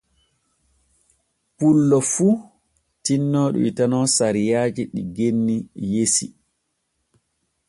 Pullo fu tinno ɗoytano sariyaaji ɗi genni yesi.